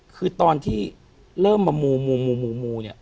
คือตอนที่เริ่มมามู